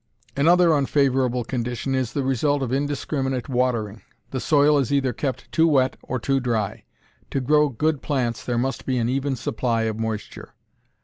Another unfavorable condition is the result of indiscriminate watering. The soil is either kept too wet or too dry. To grow good plants there must be an even supply of moisture.